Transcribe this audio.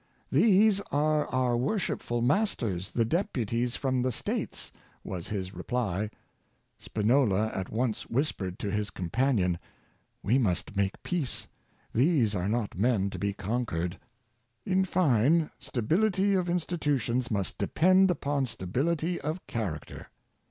" These are our worshipful masters, the deputies from the States," was his reply. Spinola at once whispered to his com panion, " We must make peace : these are not men to be conquered." In fine, stability of institutions must depend upon stability of character.